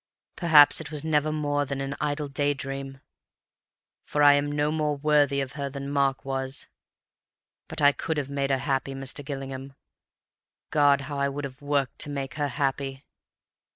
Perhaps it was never more than an idle day dream, for I am no more worthy of her than Mark was. But I could have made her happy, Mr. Gillingham. God, how I would have worked to make her happy!